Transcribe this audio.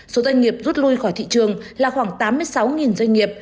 số doanh nghiệp rút lui khỏi thị trường là khoảng tám mươi sáu doanh nghiệp